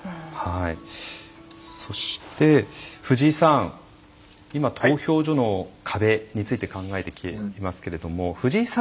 そして藤井さん今投票所の壁について考えてきていますけれども藤井さん